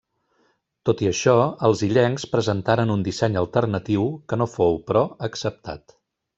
Tot i això, els illencs presentaren un disseny alternatiu que no fou però, acceptat.